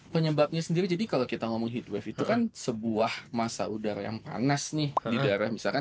penyebabnya sendiri jadi kalau kita ngomong heatwave itu kan sebuah masa udara yang panas nih di daerah misalkan